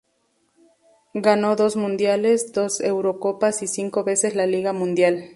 Ganó dos Mundiales, dos Eurocopas y cinco veces la Liga Mundial.